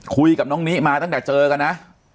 คุยกับน้องนิมาตั้งแต่เจอกันนะ